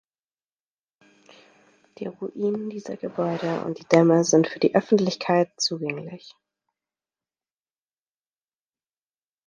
Die Ruinen dieser Gebäude und die Dämme sind für die Öffentlichkeit zugänglich.